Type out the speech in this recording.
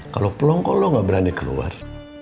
kalau plong kok lo gak berani keluar